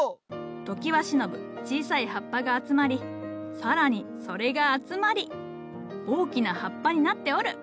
常盤忍小さい葉っぱが集まり更にそれが集まり大きな葉っぱになっておる。